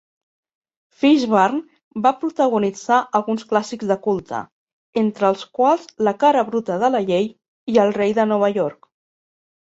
Fishburne va protagonitzar alguns clàssics de culte, entre els quals "La cara bruta de la llei" i "El rei de Nova York".